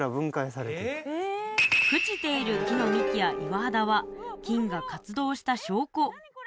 朽ちている木の幹や岩肌は菌が活動した証拠